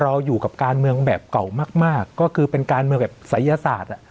เราอยู่กับการเมืองแบบเก่ามากก็คือเป็นการเมืองแบบศัยศาสตร์